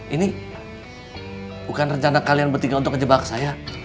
ini bukan rencana kalian bertiga untuk ngejebak saya